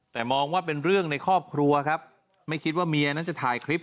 แต่มองว่าเป็นเรื่องในครอบครัวครับไม่คิดว่าเมียนั้นจะถ่ายคลิป